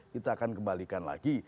kita akan kembalikan lagi